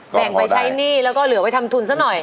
แบ่งไปใช้หนี้แล้วก็เหลือไปทำทุนซะหน่อย